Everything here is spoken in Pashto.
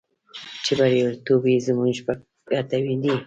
چې بریالیتوب یې زموږ په ګټه دی.